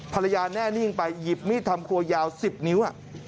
ภรรยาแน่นิ่งไปหยิบมีดทำครัวยาว๑๐นิ้ว